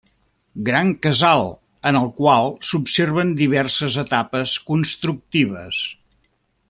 Gran casal en el qual s'observen diverses etapes constructives.